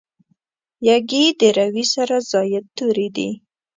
یږي د روي سره زاید توري دي.